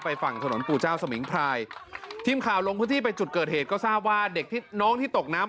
ไปคว้าห่วงยางมาแต่โดดตู้มลงน้ำ